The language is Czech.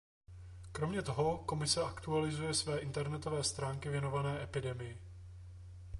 Kromě toho Komise aktualizuje své internetové stránky věnované epidemii.